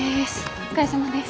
お疲れさまです。